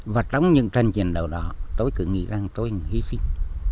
và trong những trận chiến đấu đó tôi cứ nghĩ rằng tôi hy sinh